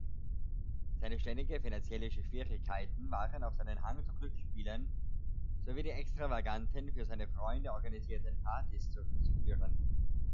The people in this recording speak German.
Seine ständige finanzielle Schwierigkeiten waren auf seinen Hang zu Glücksspielen sowie die extravaganten, für seine Freunde organisierten Partys zurückzuführen.